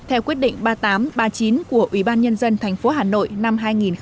theo quyết định ba nghìn tám trăm ba mươi chín của ủy ban nhân dân tp hà nội năm hai nghìn một mươi ba